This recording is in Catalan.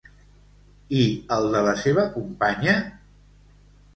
I el de la seva companya?